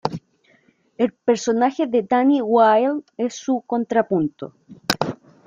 El personaje de Danny Wilde es su contrapunto.